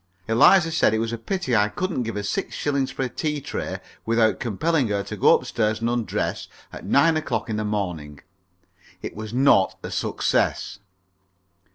Eliza said it was a pity I couldn't give her six shillings for a tea tray without compelling her to go up stairs and undress at nine o'clock in the morning. It was not a success.